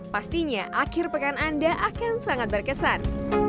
pastinya akhir pekan anda akan sangat berkesan